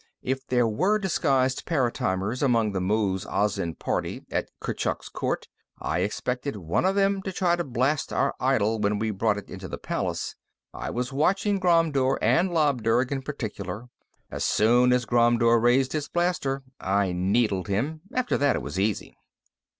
If there were disguised paratimers among the Muz Azin party at Kurchuk's court, I expected one of them to try to blast our idol when we brought it into the palace. I was watching Ghromdur and Labdurg in particular; as soon as Ghromdur used his blaster, I needled him. After that, it was easy."